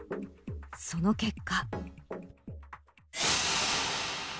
その結果。